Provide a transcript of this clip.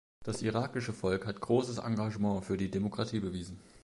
Das irakische Volk hat großes Engagement für die Demokratie bewiesen.